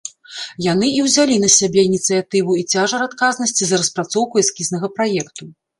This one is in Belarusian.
Яны і ўзялі на сябе ініцыятыву і цяжар адказнасці за распрацоўку эскізнага праекту.